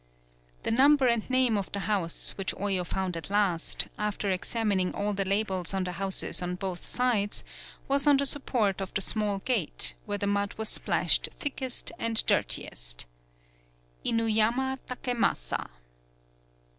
The number and name of the house, which Oyo found at last, after examin ing all the labels on the houses on both sides, was on the support of the small gate, where the mud was splashed thick est and dirtiest. Inuyama Takemasa.